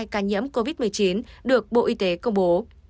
chín trăm tám mươi hai ca nhiễm covid một mươi chín được bộ y tế công bố